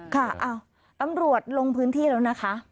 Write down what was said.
ค่ะตำรวจลงพื้นที่แล้วนะคะ